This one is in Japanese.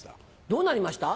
どうなりました？